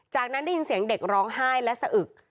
จากนั้นได้ยินเสียงเด็กร้องไห้และสะอึก